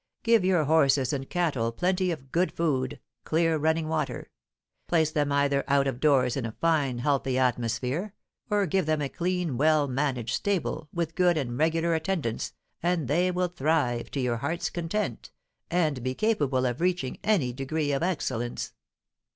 Give your horses and cattle plenty of good food, clear running water; place them either out of doors in a fine, healthy atmosphere, or give them a clean, well managed stable, with good and regular attendance, and they will thrive to your heart's content, and be capable of reaching any degree of excellence.